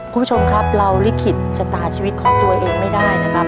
คุณผู้ชมครับเราลิขิตชะตาชีวิตของตัวเองไม่ได้นะครับ